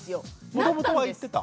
もともとは言ってた？